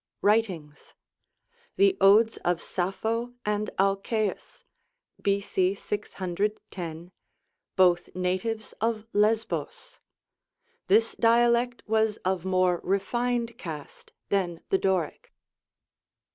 Writings. The odes of Sappho and AIcsbus (B. C. 610), both natives of Lesbos. This dialect was of more refined cast than the Doric.